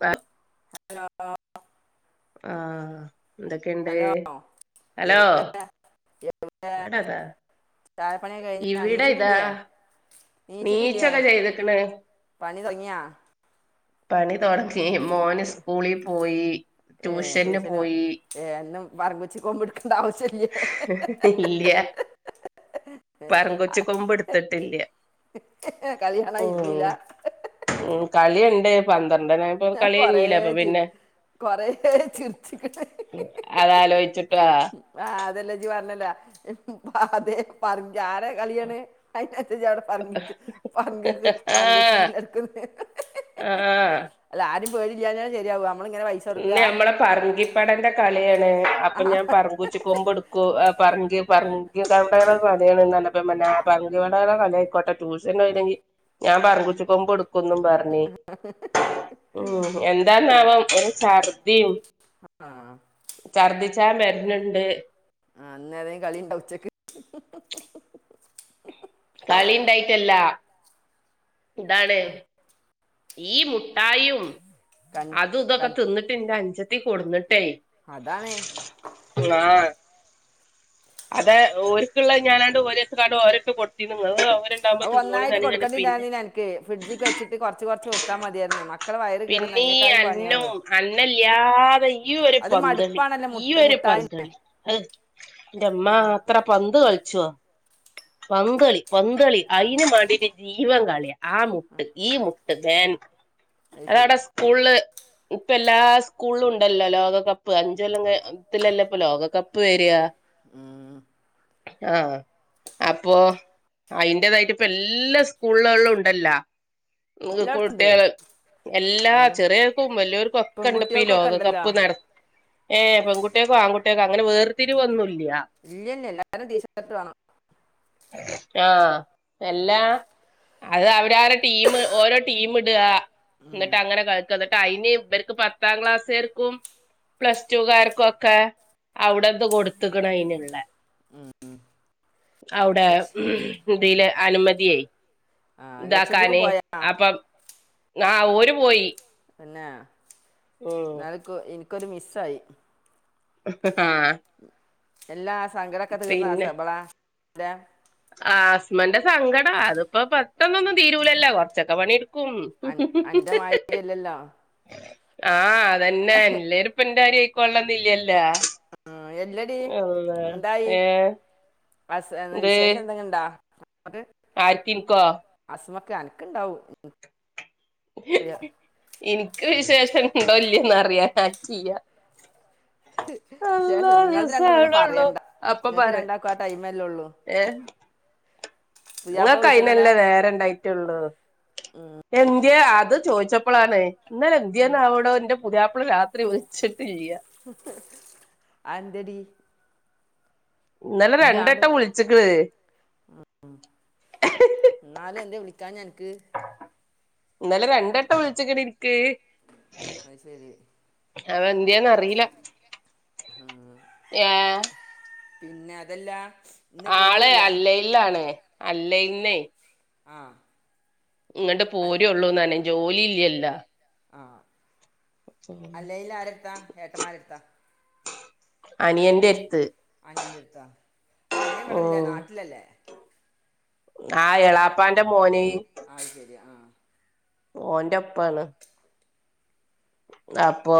By hello ആ എന്തൊക്കെയുണ്ട് hello hello ഇവിടെതാ തഴപ്പണി കഴിഞ്ഞോ ഇവിടെ ഇതാ ഇണ്ണീച്ചിട്ടില്ലേ നീച്ചിട്ടില്യേ നീച്ചൊക്കെ ചെയ്തക്കണ് പണി തുടങ്ങിയാ പണി തൊടങ്ങി മോന് സ്കൂളിൽ പോയി ഏ ട്യൂഷന് ഏ എന്നും പറമ്പിച്ച് കൊമ്പടക്കേണ്ട ആവശ്യമില്ല ഇല്ലയാ പരം കൊച്ചി കൊമ്പ് എടുത്തിട്ടില്യ കളികാണാ ഇരുന്നില്യ ഉം കളിയുണ്ട് പന്ത്രണ്ടരായപ്പം കളി കഞ്ഞല്ലേ അപ്പൊ പിന്നെ കൊറെ ചിരിച്ച്ക്ണ് അതാലോചിച്ചിട്ടാ ആഹ് അതെല്ലാം ജീ പറഞ്ഞല്ലേ അഹ് അതെ പറഞ്ഞ ആരാ കളിയണ് അയിത്തച്ച അവിടെ പറ പറ കൊ പറ കൊച്ചില്ല എടുക്ക ഹ്ഹ് ആ ആരും പേരില്യഞ്ഞാ ശരിയാവ ഇന്നു നമ്മടെ പറങ്കിപടന്റെ കാൽ അപ്പൊ ആ ഞാൻ പറമ്പൂച്ചി കൊമ്പെടുക്കുവോ പറങ്കി പറങ്കി മതിയാണ്ല്ല ങ്ക ആയിക്കോട്ടെ ട്യൂഷൻല്ലെങ്ക ഞാ പറിച്ചക്ക്പോ കൊബ് ഒന്നും പറഞ്ഞേ ഉ ഏ, എന്താന്നാവാം ഒരു ഛർദിയും ആ ച്ചാ മരണിണ്ട് ആ അന്നേ ഏതാ കളിണ്ടാവ ഉച്ചക്ക് കളി ഉണ്ടായിട്ടല്ല ഇതാണ് ഈ മുട്ടായിയും കൺ അതും ഇതൊക്കെ കൺ തിന്നിട്ടിന്റെ അനുജത്തി കൊടുന്നി ട്ടേ അതാണ് ആ അതെ ഓരുക്കുള്ള ഞാനാണ്ട ഓരോത്തുക്കണ്ടു ഓരെടുത്തു കൊടുത്തി നിങ്ങ അവ ഒന്നായിട്ട് കൊടുക്കേണ്ടിയില്ലാരുന്നു അനക്ക് ഫ്രിഡ്ജിക്കെ വച്ചിട്ട് കൊറച്ച് കൊറച്ച് കൊടുത്താ മതിയായിരുന്നു മക്കളെ വയറ് കേ പിന്നീ അന്നോം അന്നല്യാതെ ഈ ഒരു അത് പന്തളി മടുപ്പാണല്ലോ ഈ മുട്ട ഒരു മുട്ടായി പന്തളി ഏഹ് ന്റമ്മാ അത്ര പന്ത് കളിച്ചുവോ പന്തളി പന്തളി അയിനു മാണ്ടീട്ട് ജീവൻ കളിയാ ആ മുട്ട് ഈ മു ട്ട് അത് ശരി അതവിടെ സ്കൂൾല് ഇപ്പ എല്ലാ സ്കൂളിലും ഉണ്ടല്ലോ ലോകകപ്പ് അഞ്ചോല്ലത്തിലല്ലേ ഇപ്പ ലോകകപ്പ് വരിക. ഉം. ആ അപ്പോ അയിന്റതായിട്ട് ഇപ്പ എല്ലാ സ്കൂളുകളിലും ഉണ്ടല്ലോ? എല്ലായിടത്തുണ്ട് [unintelligible] എല്ലാ എല്ലാം ചെറിയക്കും വലിയോർക്കും ഒക്കെ ഉണ്ട്പ്പ പെൺകുട്ടികൾക്കൊക്കെ ഉണ്ടല്ലോ ലോകകപ്പ് നട ഏഹ് പെൺകുട്ടിയക്കും ആൺകുട്ടികൾക്കോ അങ്ങനെ വേർതിരിവ് ഒന്നൂല്ല. ഇല്ല ഇല്ല എല്ലാരും ടി ഷർട്ട് വേണം. ആഹ് എല്ലാ അത് [unintelligible] ടീം ഓരോ ടീം ഇടുക ഉം, എന്നിട്ട് അങ്ങനെ കളിക്കാ എന്നി ട്ട് അയിന് ഇവർക്ക് പത്താം ക്ലാസുകാർക്കും പ്ലസ് ടുക്കാർക്കൊക്കെ അവിടെ ഇത് കൊടുത്ത്ക്കണ് അയിന്. ഉം. അവിടെ ലക്ഷ ഇതില് അനുമതിയേ. ആ ലക്ഷദ്വീപ് ഇതാക്കാന് പോയാ അപ്പം ആ ഓര് പോയി. പിന്നെ ഉം എന്നാൽ എനിക്കൊരു മിസ്സായി. ആഹ് എല്ലാ സങ്കടൊക്കെ തീർന്നാ സബളാന്റെ? ആ ഹസ്മന്റെ സങ്കടം അതിപ്പോ പെട്ടന്നൊന്നും തീരൂലല്ല കുറച്ചൊക്കെ പണി എ അ അന്റെ മായിരിയല്ലല്ലോ? ആഹ് അതന്നെ എല്ലാരും എന്റെ മാരി ആയിക്കൊള്ളന്നില്ലല്ല. ആ, എല്ലടി ഇല്ല എന്തായി ആ ഏഹ് അസ് വിശേഷം എന്തെങ്ങ ഉണ്ടാഅസ്മക്ക്? ആരിക്ക് എനിക്കോ? അസമക്ക് അനക്ക് ഉണ്ടാവും. എനിക്ക് വിശേഷം ഇണ്ടോ ഇല്ല്യോന്ന് അറിയൻ ആയിട്ടില്ല. വിശേഷം നിങ്ങളത് ദിവസം രണ്ടും പിന്നെ ആവണൊള്ളൂ പറയണ്ട അപ്പൊ നിങ്ങക്ക് രണ്ടാക്കും ആ ടൈമല്ലേള്ളു. ഇങ്ങക്കയിനല്ലേ നേരം ഉണ്ടായിട്ടള്ളത് എ ന്ത്യേ അത് ചോദിച്ചപ്പോളാണ് ഇന്നലെ [unintelligible] എന്റെ പുതിയാപ്പള രാത്രി വിളിച്ചിട്ടില്ല. അന്തേടി? ഇന്നലെ രണ്ടട്ടം വിളിച്ചുക്കിണ്. ഉം എന്നാലും എന്തേ വിളിക്കാഞ്ഞ് അനക്ക്? ഇന്നലെ രണ്ടട്ടം വിളിച്ചക്കണ് ഇനിക്ക്. അത് ശരി അവ് എന്തെന്ന് അറിയില്ല. ഏഹ് പിന്നെ അതല്ലാ ആള് അല്ലൈലിലാണ് ണ് അല്ലൈയിലിലെ ആഹ് ഇങ്ങട്ട് പോരു ഉള്ളൂന്നാണെ ജോലി ഇല്ലലോ. ആ അല്ലൈയിലിൽ ആരെടുത്താ ഏട്ടന്മാരെടുത്താ? അനിയന്റെ അടുത്ത്. അനിയന്റെ അടുത്താ അപ്പൊ അനിയൻ ഇവിട ഇല്ല ഉം നാട്ടിലല്ലേ ആ എളാപ്പാന്റെ മോന ആ് ശരിയ ആഹ ഓന്റെ ഒപ്പാണ് അപ്പൊ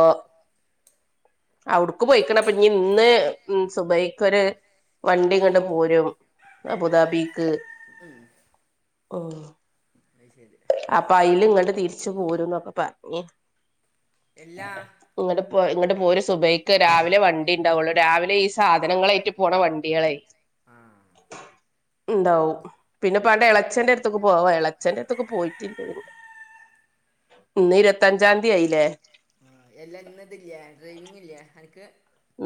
അവുടക്ക് പോയിക്കണ അപ്പൊ നീ ഇന്ന് ഉ സുബൈ ഒരു വണ്ടിങ്ങണ്ട് പോരും അബുദാബി ഉം ഓ [unintelligible] അപ്പ അയിൽ ഇങ്ങോട്ട് തിരിച്ചും പോരുംന്നൊക്കെ പറഞ്ഞ എല്ലാ ഇങ്ങ പോ ഇങ്ങട്ട പോര് സുഭഹി രാവിലെ വണ്ടി ഉണ്ടാവുള്ളു രാവിലെ ഈ സാധനങ്ങളായിട്ട് പോണ വണ്ടിയാളെ ആ ഇണ്ടാവും പിന്നെ പാന്റെ എളച്ചന്റെ അടുത്തൊക്കെ പോവാ എളച്ചന്റെ അടുത്തൊക്കെ പോയി [unintelligible] ഇരുപത്തഞ്ചാം തീയതി ആയില്ലേ ആ എല്ല ഇന്നതില്ലേ ഡ്രൈവിംഗ് ഇല്ലേ അനക്ക്?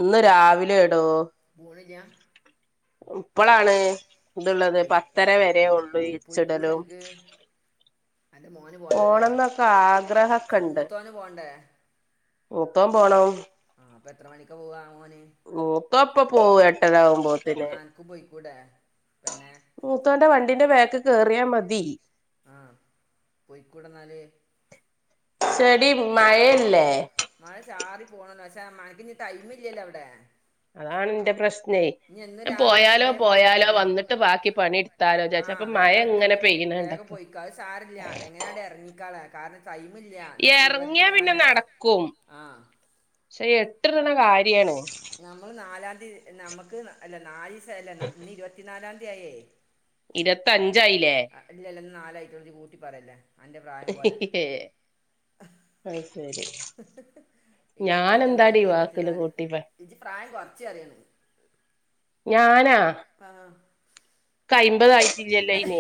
ഇന്ന് രാവിലെടോ പോണില്ല മ് പ്പളാണ്. ഇത്ള്ളത് പോയി പത്തര വരേ ഒള്ളോയ്ച്ചിടലും അന്റെ മോന് പോണ്ടല്ലേ ആഗ്രഹൊക്കെ ഷെ ഉണ്ട് മൂത്തോന് പോണ്ടേ? മൂത്തോൻ പോണം. അപ്പത്ര മണിക്ക പോവാ ഓന്? മൂത്തോ പ്പ പോവും എട്ടരാകുമ്പത്തന്. എന്നാ അനക്കും പോയിക്കൂടെ പെണ്ണെ മൂത്തോന്റെ വണ്ടിന്റെ ബാക്കി കേറിയാ മതി. ആ പോയിക്കൂടെന്നാല്? ചെടി മയല്ലേ. പോണന്നച്ചാ മനക്കിനി ടൈമില്ലല്ലോ അവിടെ. അതാണന്റെ പ്രശ്നം. ഇനി എന്നും രാവിലെ ആയ പോയാലോ ഇതേ പോയാലോ ബുദ്ധിമുട്ടല്ലേ വന്നിട്ട് ബാക്കി പണി ആ എടുത്താലോരിചാച്ച് അപ്പ വേഗം മയങ്ങനെ ഇട്ടറിഞ്ഞ് പെയ്യ വേഗം പോയിക്ക അത് സാരില്ല എങ്ങനാട് എറങ്ങിക്കാള കാരണം ടൈമില്ല ഇന്നിവിടെ ഇരുവത്തി എറങ്ങിയാ പിന്നെ നാലായി നടക്കും ആ [unintelligible] കാര്യാണ്. നമ്മൾ നാലാന്തി നമക്ക് അല്ല നാല്സം അല്ല ന ഇന്ന് ഇരുവത്തി നാലാന്തി ആയെ. ഇരുവത്തഞ്ചയിലേ? നാലായിട്ടേള്ളൂ നീ കൂട്ടി പറയല്ലേ. അൻ്റെ പ്രായം പോലെ അയ് ശരി. ഇരുവത്തഞ്ചന്നും ഞാനെന്താടി ആയിട്ടി വാക്കില് ഇരുവത്തിനാല് കൂട്ടിപ്പ ഇജ് പ്രായം കൊറച്ച് പറയാണ്. ഞാൻ പാ ക്കയ്മ്പതായിട്ടില്ലല്ലോ അയിന്.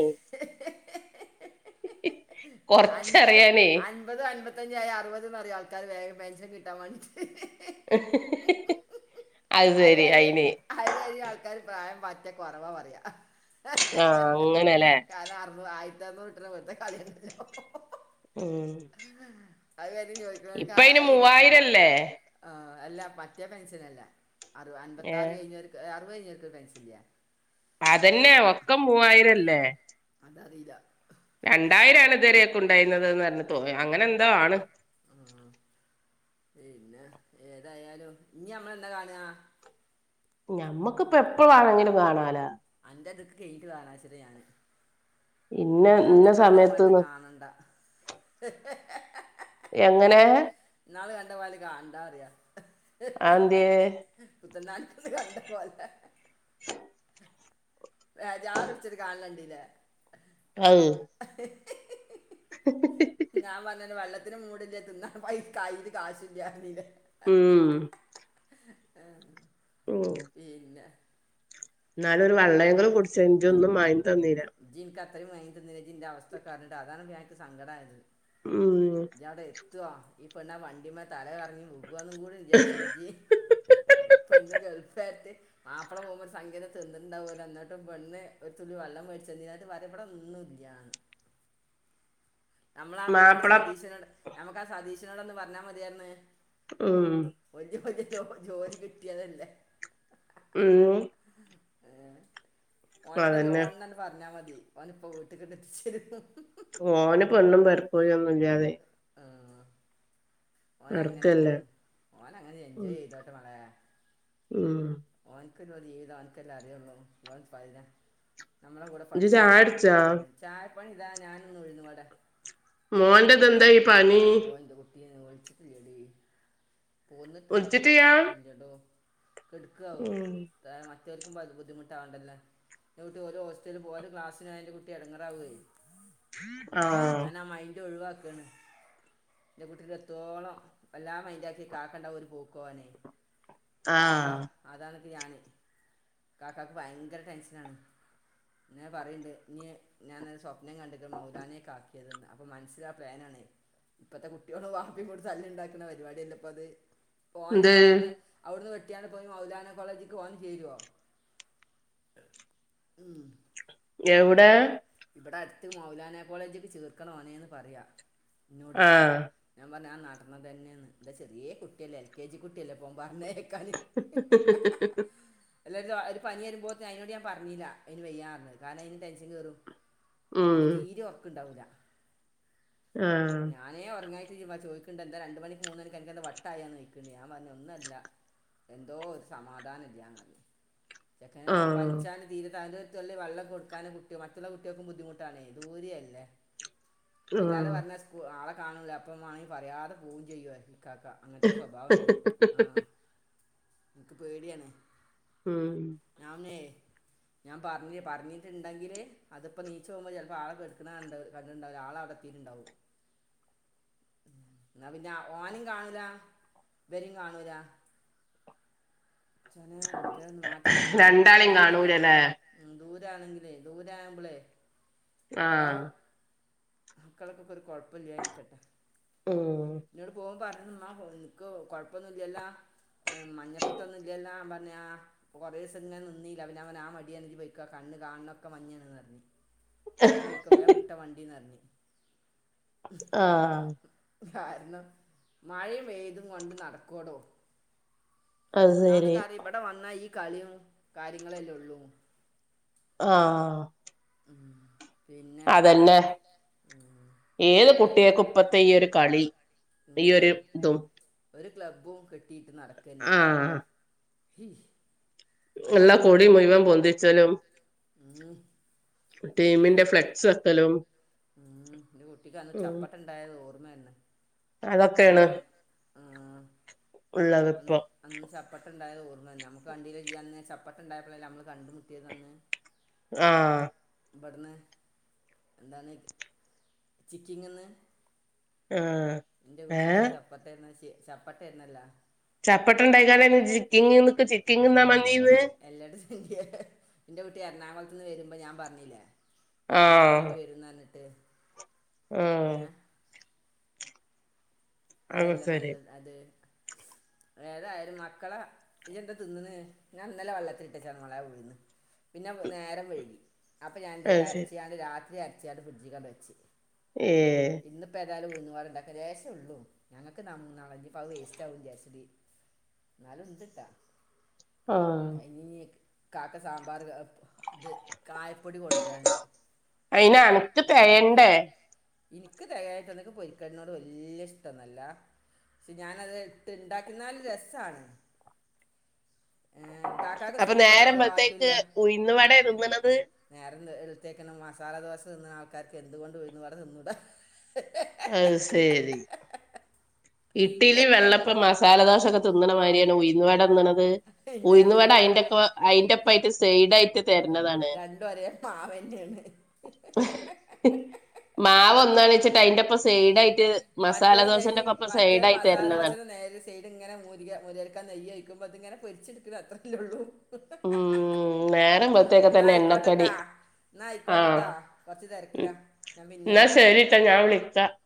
കൊറച്ചറിയാനേ. [unintelligible] അറുവതെന്ന്റയ് ആൾക്കാര് വേഗം പെൻഷൻ കിട്ടാൻ വാണ്ടിട്ട്. [unintelligible] അയ് വരി അയിന് അയ് വരി ആൾക്കാര് പ്രായം പറ്റെ കൊറവാ പറയാ. ആ അങ്ങനെലേ? ധർമട്ടണെ വെറുതെ കളിയണ്ടല്ലോ. ഉം അത് കാര്യം ചോദിക്കുന്നവർക്ക് ഇപ്പ ആ അയിന് ഇനി മൂവായിരല്ലേ? ആ അല്ല പറ്റേ പെൻഷനല്ല അറു അൻപത്താറ് ഏഹ് കഴിഞ്ഞോര്ക്ക് അറുപത് കഴിഞ്ഞോർക്ക് പെൻഷൻല്ലേ. അതന്നെ ഒക്കെ മൂവായിരല്ലേ അതറീല. രണ്ടായിരാണ് ഇതുവരെക്കെ ഉണ്ടായിരുന്നതെന്ന്റഞ്ഞ തോന്ന് അങ്ങനെന്തോ ആണ്. പിന്നെ ഏതായാലും ഞ്ഞി നമ്മളെന്ന കാണ്ക. ഞമ്മക്കിപ്പ എപ്പവാണെങ്കിലും കാണാലോ. [unintelligible] ഇന്ന ഇന്ന ഇന്നാൾത്തെ കാണാലുമാൽത്തെ സമയത്ത്ന്ന് കാണണ്ട. എങ്ങനെ? ന്നാള് കണ്ടപോലെ കാണണ്ടാറിയാ. അതെന്തേ [unintelligible] കണ്ട പോലേ. ജാറ് പിടിച്ചൊരു കാണല് കണ്ടീലേ? [unintelligible] ഞാൻ പറഞ്ഞന്ന് വെള്ളത്തിന് മൂടില്ല തിന്നാൻ പൈ കയ്യില് കാശില്ലായിരുന്നിലേ. ഉം ഉം പിന്നെ? എന്നാലും ഒരു വള്ളേങ്കിലും കുടിച്ച് ജ് ഒന്നും മാങ്ങിതന്നില്ല ഇത്രയുംവാങ്ങി തന്നില്ലേ ജ് ന്റെവസ്ഥക്കറിഞ്ഞിട്ട് അതാണ് അനക്ക് സങ്കടായത് ഉം ജ വിടെ എത് തൊ ഇപ്പെണ്ണാ വണ്ടിമ്മെ തല കർ പോവാന്നും കൂടെ വിചാരിച്ചില്ലെ ഇജ് ഈ പെണ്ണ് ഗൾഫാ മാപ്പെള പോഉമ്പ ഒരു സംഖ്യ ന്നെ തെന്നിട്ണ്ടാവൊല്ലോ ന്നെട്ടും പെണ്ണ് ഒര് തുള്ളി വള്ളം വെട്ച് ചെന്ന്കാണ്ട് പറയും ഇവടെഒന്നും ഇല്ല നമ്മള ആ ബനോട് മാപ്പള സതീശനോട് നമുക്ക് ആ സതീശിനോട് ഒന്ന് പർഞ്ഞാ മതിയാര്ന്ന് ഉം ജൊ ജോലി കിട്ടിയതല്ലേ ഉം ഓനോടെ അതന്നെ ലോൺനെന്നു പറഞ്ഞാ മതി ഓന് പ്പോ വീട്ട്കാണ്ടാങ്ങട്ട്എത്തിചെരും ഓന് പെണ്ണും പെട്കോയി ഒന്നുല്ലാതെ ഓന ങ്ങനെ നടക്കല്ലേ പോണ് ഓന ങ്ങനെ ഉം എൻജോയ് ചെയ്തോട്ടെ മാളെ ഓൻക്ള്ളൊരു ജീവിതം ഓന്കെല്ലേ അറിയുള്ളൂ [unintelligible] നമ്മളെ കൂടെ ഇജ്ജ് പഠിച്ചാ ന്ന് ഓന്ക്ക് ചായുടിച്ചാ ഓർമല ചായപ്പണി താ ഞാനിന്ന് ഉഴുന്നു വടെ മോന്റെത് ന്തായി പനി എടി പോന്നിട്ടുണ്ടാവും വിളിച്ചിട്ടിയ്യാ ഇല്യ ടൊ ക്കാവു ഉം എ മറ്റൊൽക്കും പ ബുദ്ധിമുട്ടാാവണ്ടല്ലേ [unintelligible] ഓല് ഹോസ്റ്റൽല് പോവും ക്ലാസ്സിനോയ ന്റെ കുട്ടി എടങ്ങറാവേ [inaudible] ഞാനാമൈൻറ് ഒഴിവാക്കാണ് എന്റെ വീട്ടില് എത്തോളം എല്ലാ മൈന്റാക്കി കാക്കണ്ടാവും ഒരു പോക്കോവാനെ കാക്ക ആഹ് അതാണത് ഞാന് കാക്കാക്ക് ഭയങ്കര ടെൻഷനാണ് ഇങ്ങനെ പറിംണ്ട് ഇനി ഞാനരു സ്വപ്നം കണ്ടിക് മൗലാനെക്കാകാ ക്യതെന്ന് അപ്പം മനസ്സിലാ പ്ലാനാണേ ഇപ്പത്തെ കുട്ട്യാളും വാപ്പിം കൂടി തല്ല്ണ്ടാക്ന്ന പരിപാടില്ലെ പ്പ അത് പോന എന്ത് പൗട്ന്ന് അവിട്ന്ന് വെട്ട ട്ട്യാണ്ട് പോയി മൗലാന കോളേജിക്ക് ഓന് ചേരോ ഉം എവിടെ ഇവിടടുത്ത് മൗലാന കോളേജിക്ക് ചേർക്കണോനെന്ന് പറയാ ഇന്നോട് ആഹ് ഞാ പ്പഞാൻ നടന്നതന്നെയന്ന് ഇന്റെ ചെറിയേ കുട്ടിയല്ലേ എൽ കെ ജി കുട്ടിയല്ലേ പ്പഒമ്പാ [inaudible] [unintelligible] ഒരു പനിയെരുമ്പോത്തിന് അയിനോട്ഞാ പറഞ്ഞില്ല അയിന് വെയ്യാന്ന് കാരണം അയിന് ടെൻഷൻ കേറും പിന്നെ ഉം തീരെ ഒർക്ണ്ടാവൂല ആഹ് ഞാനേ ഒർങ്ങായി ലീവ ചോയ്ക്ണ്ടെ. ന്താ രണ്ട് മണിക്ക് മൂന്ന് മണിക് അൻക്കെന്താ വട്ടായോന്ന് ചോയ്ക്ണ്ട് ഞൻ പർഞ് ഒന്നെല്ല എന്തോ ഒരു സമാധാനല്യ ചെക്കനെ ഞ ആഹ് പ്പൻച്ചാണ്ട് തീരെ തലൊ തുള്ളി വള്ളം കൊടുക്കാന് കുട്ട്യോ മറ്റുള്ള കുട്ട്യേക്കും ബുദ്ധിമുട്ടാണേ ദൂരിയെല്ലേ വല്ലാതെ ആഹ് പർഞ്ഞ സ്കു ആളെ കാണൂല അപ്പമാണെ പറയാതെ കാക്ക അങ്ങൻത്തെ സ്വഭാവണ്ട് ആ ൻക്ക് പേടിയാണ്. ഉം ഞാനേ [inaudible] ഞാൻ പർഞ് പറഞ്ഞിട്ടുണ്ടങ്കില് അത്പ്പോ നീച്ചോമ്പള് ചെൽപ്പൊ ആളെകെട്ക്ണ കണ്ട് കണ്ട് ണ്ടാവുല്ല ആളെവ്ടെത്തിണ് ണ്ടാവും [inaudible] ന്നാ പിന്നെ ഓനിം കാണൂല വനിം കാണൂല ചോനെ റബ്ബേ ഒന്ന് മാറ്റി തന്നാമതി രണ്ടാളീം ദൂരാവുമ്പോ ഇതാണ് കാണൂലല്ലേ എടങ്ങേറ് ദൂരാണെങ്കിലേ ദൂരാവ്മ്പളേ ആ മക്കൾക്കെക്കെ ഒരു കൊഴപ്പല്ലായിരിക്കട്ടേ ഉം ന്നോട് പോവും പർഞ് എന്നാ പോരെ നിക്കു കൊഴപ്പൊന്നുല്ലല്ലോ എ മഞ്ഞപ്പീത്തൊന്നു ഇെല്ലാം പറഞ്ഞ കൊറ ദിവസം ഇങ്ങനെ നിന്നീല്ല അവ അവൻ ആ മടിയണ് പോയ്ക്ക കണ് കാണൊക്കെ മഞ്ഞ പറഞ് [unintelligible] വേഗം വിട്ട വണ്ടി [unintelligible] ആ കാരണം മഴയും പെയ്തും കൊണ്ട് നടക്കൂടോ അത് ഒന്നാമത്തെ ശരി കാര്യം ഇവിടെ വന്ന ഈ കളിയും കാര്യങ്ങളല്ല ഉള്ളൂ ആ [inaudible] അതന്നെ ഏത് കുട്ടികൾക്കും ഇപ്പത്തെ ഈ ഒരു കളി ഈ ഒരു ഇതും ക്ലബും കെട്ടീട്ട് നട്ക്കെന്നെ എല്ലാ കൊടി മുഴുവൻ പൊന്തിച്ചലും ഉം ടീമിന്റെ ഫ്ലെക്സ് വെക്കലും ഉം എന്റെ കുട്ടിക്കന്ന് ഉം ചപ്പട്ട ഉണ്ടായത് ഓർമ്മ തന്നെ അതൊക്കെയാണ് ന്ന [unintelligible] ള്ള വപ്പ ഉണ്ടായത് ഓർമ്മ തന്നെ നമുക്ക് വണ്ടീന്ന് ചപ്പട്ട ഉണ്ടായപ്പോ നമ്മള് കണ്ടു മുട്ടിയത് ആഹ വടന എന്താണ് ചിക്കിങ്ങന്ന് ആഹ് എന്റെ ഏഹ് കുട്ടിക്കന്ന് ചപ്പട്ട [unintelligible] ചപ്പട്ട തന്നല്ല ചപ്പട്ടുണ്ടായി കാല ചിക്കിങ്ങ നി ചിക്കിങ്ങ [inaudible] എല്ലടും സന്ധ്യ എന്റെ കുട്ടി എറണാകുളത്തന്ന് വരുമ്പോ ഞാൻ പറഞ്ഞില്ലേ ന്റെ കുട്ടിണ്ട് വെരുന്നർഞ്ട്ട് ആഹ അത് അതല്ല ശരി നല്ലത് അത് [unintelligible] ഏതായാലും മക്കള ഈയെന്താ തിന്ന്ന് ഞാൻന്നലെ വെള്ളത്തിലിട്ട [unintelligible] ഉഴുന്ന് പിന്നെ നേരം വൈകി അപ്പൊ ഞാനെന്ത് ചെയ്ത് അത് ശരി അരച്ചിയാട് രാത്രി അരച്ചിയാട് ഫ്രിഡ്ജിൽ കണ്ട് വെച്ച് ഏഹ് ന്താലും ഉഴുന്നുവടെണ്ടാക്ക ലേശേള്ളൂ ഞങ്ങക്ക് നം നള ഞ്ഞീപ്പ വേസ്റ്റ് ആവുംന്ന്വി വിജാരിച്ചിട്ട് എന്നാലും ണ്ട്ട്ടാ ആഹ് ഇനി കാക്ക സാമ്പാർ [unintelligible] ഇത് കായപ്പൊടി കൊണ്ടരാണ്ട് ത് തെയേണ്ടേ ഇനിക്ക് തയ്യായിട്ട ന്നക്ക് പൊരിക്കടിനോട് വല്യ ഇഷ്ടംന്നല്ല ശേ ഞാനത് ഇട്ട് ഇണ്ടാക്കുന്നാല് രസാണ് അപ്പൊ സ്കൂൾ കൊണ്ടുപോകാനുള്ള നേരംവെളുത്തേക്ക് വാക്കിയില്ല ഉയുന്നുവടെ തിന്നണത് ന്ന് എല്ത്തേക്കിന് മസാലദോശ തിന്നണ ആൾക്കാർക്ക് എന്തുകൊണ്ട് ഉഴുന്നുവട തിന്നൂട അ ശരി ഇട്ടിലി വെള്ളപ്പം മസാലദോശ ക്കെ തിന്നണ മാതിരിയാണ് ഉയുന്നുവട തിന്നണത് പിന്നെ ഉയിന്നുവട ഉഴുന്നുവട അയിന്റെക്ക അയിന്റെപ്പായിട്ട് സെയ്ഡായിട്ട് തരണതാണ് രണ്ടും ഒരേ മാവ് തന്നെയാണ് [unintelligible] മാവ് ഒന്നാണച്ചിട്ട് അയിന്റെപ്പ സെയ്ഡായിട്ട് മസാലദോശേൻറ്റേ കപ്പ് മറ്റൊല് മസാലദോശക്ക്‌ നേരി സൈഡ്ങ്ങനെ [unintelligible] അത്ങ്ങനെ പൊരിച്ചെടുക്കുന്ന അത്രല്ലേള്ളൂ ഉം നേരം വെളുത്തേക്ക ന്നാ തന്നെ എണ്ണക്കടി അയ്ക്കോട്ടെട്ടോ ന്നാ ആഹ് അയ്ക്കോട്ടെട്ടോ കൊറച്ച് തെരക്കില ഞാൻ പിന്നെ വിളിക്ക ചാ [unintelligible]